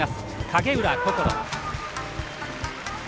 影浦心。